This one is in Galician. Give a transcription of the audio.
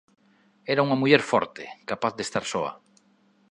Era unha muller forte, capaz de estar soa.